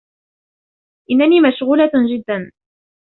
إنني مشغولة جداً.